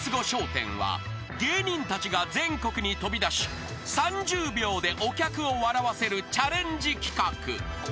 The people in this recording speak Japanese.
１０は芸人たちが全国に飛び出し３０秒でお客を笑わせるチャレンジ企画］